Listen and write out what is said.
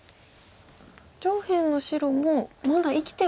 上辺の白もまだ生きては。